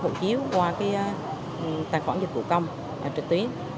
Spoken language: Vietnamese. hộ chiếu qua tài khoản dịch vụ công trực tuyến